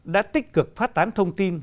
đã tích cực phát tán thông tin